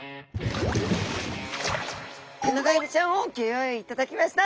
テナガエビちゃんをギョ用意いただきました。